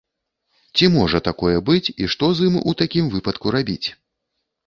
Ці можа такое быць і што з ім у такім выпадку рабіць?